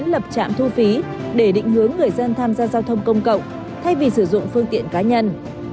lập trạm thu phí để định hướng người dân tham gia giao thông công cộng thay vì sử dụng phương tiện cá nhân